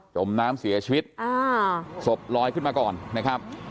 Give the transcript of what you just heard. มน้ำเสียชีวิตศพลอยขึ้นมาก่อนนะครับ